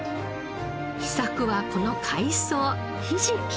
秘策はこの海藻ヒジキ。